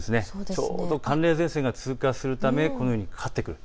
ちょうど寒冷前線が通過するためこのようにかかってくる。